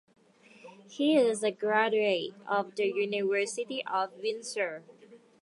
He is a graduate of the University of Windsor.